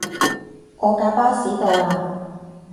我架巴士到喇